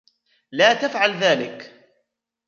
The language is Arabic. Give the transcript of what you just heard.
لا تفعل ذلك!